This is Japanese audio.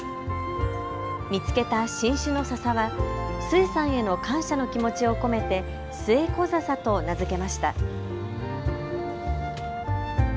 見つけた新種のささは寿衛さんへの感謝の気持ちを込めてスエコザサと名付けました。